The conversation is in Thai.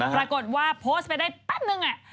ปรากฏว่าโพสต์ไปได้แป๊บนึง